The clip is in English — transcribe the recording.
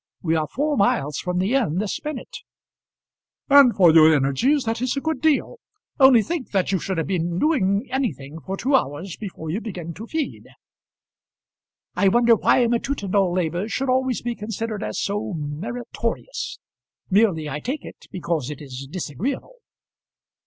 We are four miles from the inn this minute." "And for your energies that is a good deal. Only think that you should have been doing anything for two hours before you begin to feed." "I wonder why matutinal labour should always be considered as so meritorious. Merely, I take it, because it is disagreeable."